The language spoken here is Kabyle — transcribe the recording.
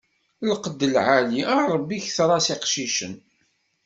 Lqed lɛali, a Ṛebbi ketter-as iqcicen.